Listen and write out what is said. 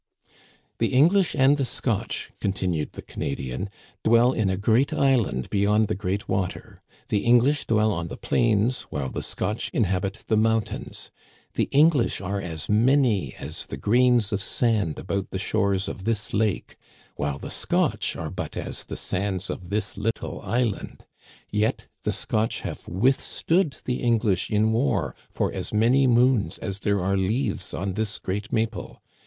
The English and the Scotch," continued the Cana dian, " dwell in a great island beyond the great water. The English dwell on the plains, while the Scotch in habit the mountains. The English are as many as the grains of sand about the shores of this lake, while the Scotch are but as the sands of this little island. Yet the Scotch have withstood the English in war for as many moons as there are leaves on this great maple.